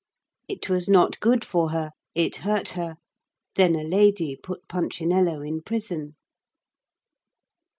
"It was not good for her; it hurt her. "Then a lady put Punchinello in prison."